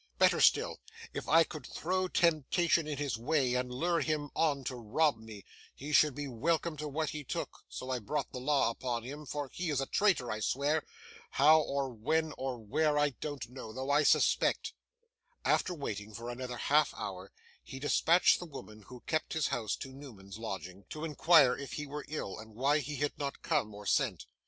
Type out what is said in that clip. Better still, if I could throw temptation in his way, and lure him on to rob me. He should be welcome to what he took, so I brought the law upon him; for he is a traitor, I swear! How, or when, or where, I don't know, though I suspect.' After waiting for another half hour, he dispatched the woman who kept his house to Newman's lodging, to inquire if he were ill, and why he had not come or sent.